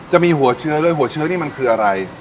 จะมีหัวเชื้อด้วยหัวเชื้อนี่มันคืออะไร